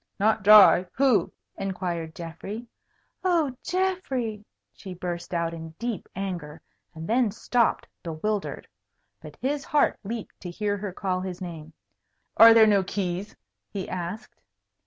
"Not dry? Who?" inquired Geoffrey. "Oh, Geoffrey!" she burst out in deep anger, and then stopped, bewildered. But his heart leaped to hear her call his name. "Are there no keys?" he asked.